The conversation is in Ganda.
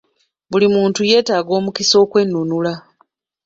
Buli muntu yeetaaga omukisa okwenunula.